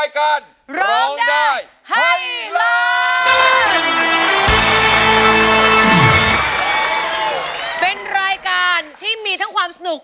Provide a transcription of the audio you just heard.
ขอร้องได้ไข่ร้าน